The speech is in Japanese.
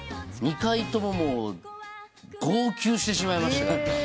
２回とも号泣してしまいました。